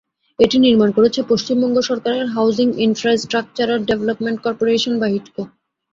এটি নির্মাণ করেছে পশ্চিমবঙ্গ সরকারের হাউজিং ইনফ্রাস্ট্রাকচারার ডেভেলপমেন্ট করপোরেশন বা হিডকো।